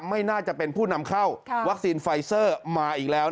ไม่น่าจะเป็นผู้นำเข้าวัคซีนไฟเซอร์มาอีกแล้ว